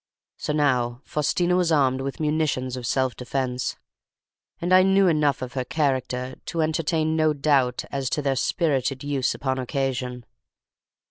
So now Faustina was armed with munitions of self defence; and I knew enough of her character to entertain no doubt as to their spirited use upon occasion.